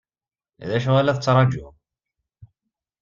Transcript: D acu ay la tettṛajum?